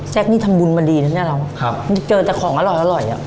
นี่ทำบุญมาดีนะเนี่ยเราครับเจอแต่ของอร่อยอร่อยอ่ะ